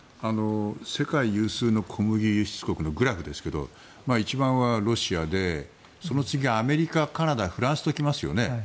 世界有数の小麦輸出国のグラフですけど１番はロシアでその次はアメリカカナダ、フランスときますよね。